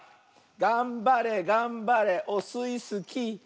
がんばれがんばれオスイスキー！